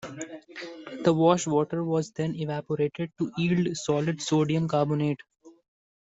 The wash water was then evaporated to yield solid sodium carbonate.